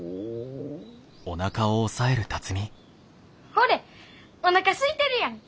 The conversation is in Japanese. ほれおなかすいてるやん！